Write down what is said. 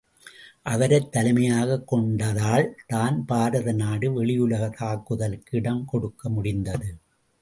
அவரைத் தலைமையாகக் கொண்டதால்தான் பாரத நாடு வெளியுலகத் தாக்குதலுக்கு இடம் கொடுக்க முடிந்தது.